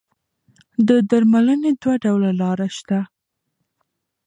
د درملنې دوه ډوله لاره شته.